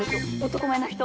男前な人。